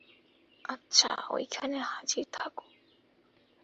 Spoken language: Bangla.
আচ্ছা, ওইখানে হাজির থাকো।